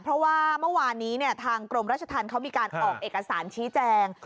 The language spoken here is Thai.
เพราะว่าเมื่อวานนี้ทางกรมราชธรรมเขามีการออกเอกสารชี้แจง